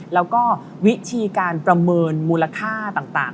แล้วก็วิธีการประเมินมูลค่าต่าง